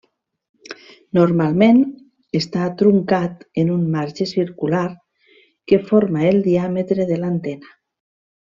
Normalment està truncat en un marge circular que forma el diàmetre de l'antena.